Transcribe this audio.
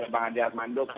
bang andi armando